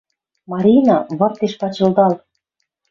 «Марина, выртеш пачылдал». —